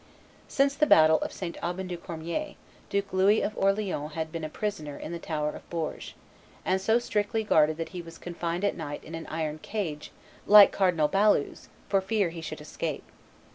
Since the battle of St. Aubin du Cormier, Duke Louis of Orleans had been a prisoner in the Tower of Bourges, and so strictly guarded that he was confined at night in an iron cage like Cardinal Balue's for fear he should escape.